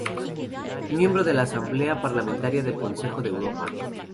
Miembro de la Asamblea Parlamentaria del Consejo de Europa.